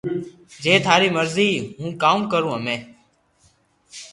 جي تاري مرزي ھون ڪاوُ ڪارو ھمي